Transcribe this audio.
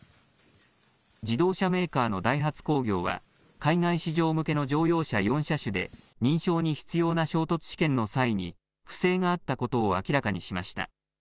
自動車メーカーのダイハツ工業は海外市場向けの乗用車４車種で認証に必要な衝突試験の際に不正があったことを明らかにしました。